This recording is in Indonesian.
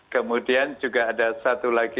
kemudian juga ada satu lagi